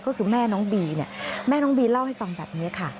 ก็คือแม่น้องบีเนี่ยแม่น้องบีเล่าให้ฟังแบบนี้ค่ะ